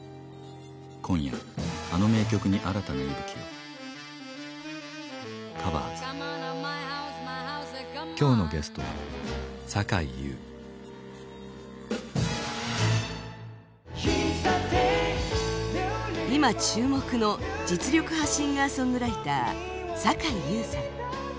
今夜はあの名曲に新たな息吹を今日のゲストは今注目の実力派シンガーソングライターさかいゆうさん。